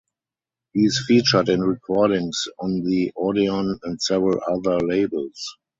He is featured in recordings on the Odeon and several other labels.